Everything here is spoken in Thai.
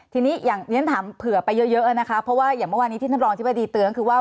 ทีนี้อย่างที่ฉันถามเผื่อไปเยอะนะคะเพราะว่าอย่างเมื่อวานี้ที่ท่านรองอธิบดีเตือนคือว่า